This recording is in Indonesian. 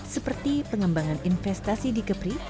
seperti pengembangan investasi